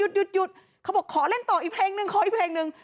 หยุดเขาบอกขอเล่นต่ออีกเพลงนึงขออีกเพลงหนึ่ง